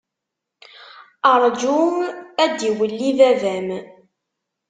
Rju ad d-iwelli baba-m.